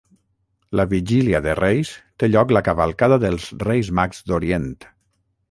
La vigília de Reis té lloc la cavalcada dels Reis Mags d'Orient.